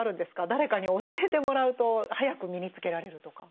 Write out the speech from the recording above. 誰かに教えてもらうと早く身につけられるとか。